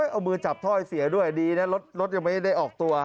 เอามือจับถ้อยเสียด้วยดีนะรถยังไม่ได้ออกตัว